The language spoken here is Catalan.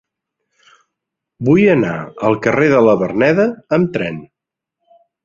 Vull anar al carrer de la Verneda amb tren.